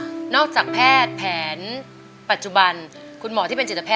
สามีก็ต้องพาเราไปขับรถเล่นดูแลเราเป็นอย่างดีตลอดสี่ปีที่ผ่านมา